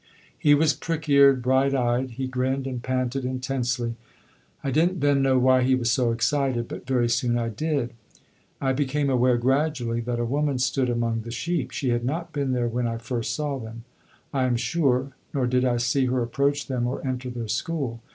He was prick eared, bright eyed; he grinned and panted intensely. I didn't then know why he was so excited, but very soon I did. I became aware, gradually, that a woman stood among the sheep. She had not been there when I first saw them, I am sure; nor did I see her approach them or enter their school.